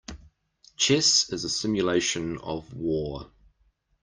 Chess is a simulation of war.